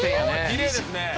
きれいですね。